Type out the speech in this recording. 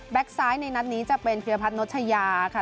แบ็คซ้ายในนัดนี้จะเป็นเฮียพัฒน์โนชยาค่ะ